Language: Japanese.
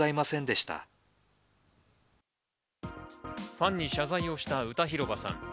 ファンに謝罪をした歌広場さん。